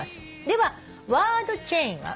「ではワードチェインは？」